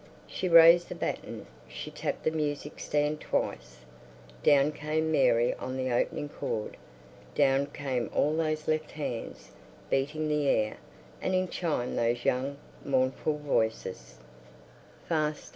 She raised the baton; she tapped the music stand twice. Down came Mary on the opening chord; down came all those left hands, beating the air, and in chimed those young, mournful voices:— Fast!